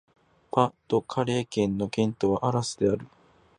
パ＝ド＝カレー県の県都はアラスである